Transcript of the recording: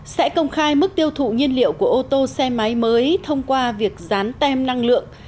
sẽ công khai mức tiêu thụ nhiên liệu của ô tô xe máy mới thông qua việc dán tem năng lượng